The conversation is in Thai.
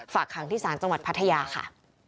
ฝากขังที่ศาลจังหวัดพัทยาค่ะ